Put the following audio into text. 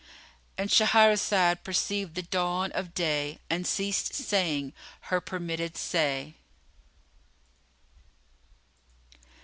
'"— And Shahrazad perceived the dawn of day and ceased saying her permitted say.